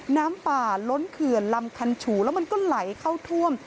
น้ำป่าล้นเขื่อนลำคันฉูแล้วมันก็ไหลเข้าท่วม